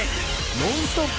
ノンストップ！